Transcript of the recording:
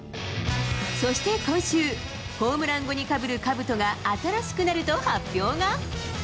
そして今週、ホームラン後にかぶるかぶとが新しくなると発表が。